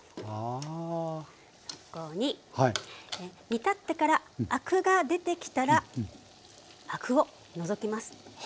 煮立ってからアクが出てきたらアクを除きます。